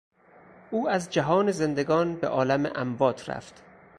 او از جهان زندگان به عالم اموات رفت.